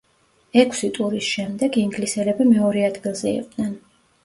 ექვსი ტურის შემდეგ ინგლისელები მეორე ადგილზე იყვნენ.